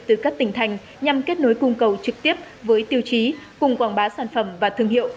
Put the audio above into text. từ các tỉnh thành nhằm kết nối cung cầu trực tiếp với tiêu chí cùng quảng bá sản phẩm và thương hiệu